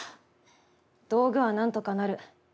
道具はなんとかなる。